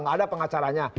gak ada pengacaranya